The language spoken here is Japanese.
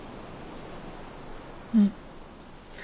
うん。